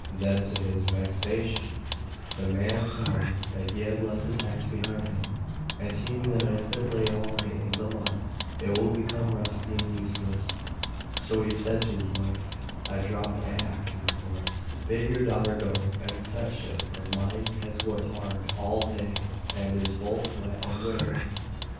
Then, to his vexation, the man found that he had left his axe behind him, and he knew that if it lay all night in the mud it would become rusty and useless. So he said to his wife: 'I have dropped my axe in the forest, bid your daughter go and fetch it, for mine has worked hard all day and is both wet and weary.